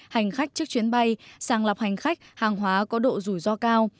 hành khách trước chuyến bay sàng lọc hành khách hàng hóa có độ rủi ro cao